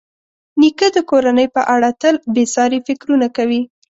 نیکه د کورنۍ په اړه تل بېساري فکرونه کوي.